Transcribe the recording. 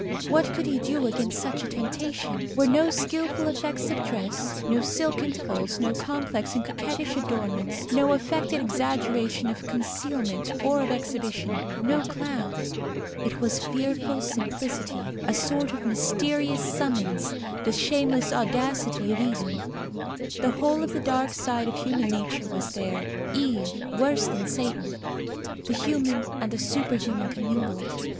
What could he do against such a temptation? Here were no skilful effects of dress, no silken folds, no complex and coquettish adornments, no affected exaggeration of concealment or of exhibition, no cloud. It was fearful simplicity a sort of mysterious summons the shameless audacity of Eden. The whole of the dark side of human nature was there. Eve worse than Satan; the human and the superhuman commingled.